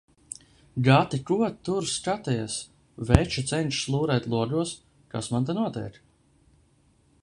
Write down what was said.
Gati, ko tur skaties? Veča cenšas lūrēt logos, kas man te notiek.